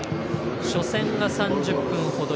初戦が３０分ほど。